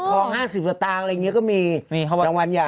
อะไรอย่างนี้ก็มีจังหวังวันใหญ่